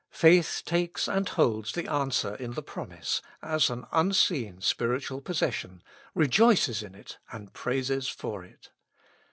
Faith takes and holds the answer in the promise, as an unseen spiritual possession, rejoices in it, and praises for it.